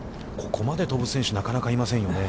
ここまで飛ぶ選手はなかなかいませんよね。